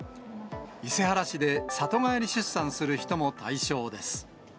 伊勢原市で里帰り出産する人も対象です。